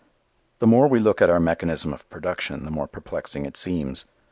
The more we look at our mechanism of production the more perplexing it seems.